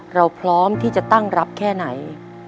เราพร้อมที่จะตั้งรับแค่ไหน